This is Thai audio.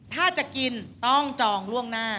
ถ้าจะกินต้องจองล่วงหน้า